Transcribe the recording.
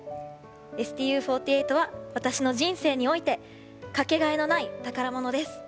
ＳＴＵ４８は私の人生においてかけがえのない宝物です。